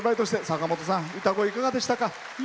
坂本さん、歌声いかがでしたか？